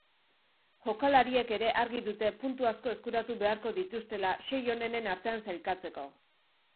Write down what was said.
Jokalariek ere argi dute puntu asko eskuratu beharko dituztela sei onenen artean sailkatzeko.